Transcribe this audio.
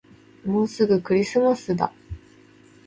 もうすぐクリスマスだ